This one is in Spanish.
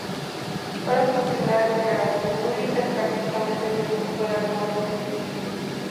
Fueron sus primeras declaraciones públicas prácticamente desde el triunfo de la Revolución.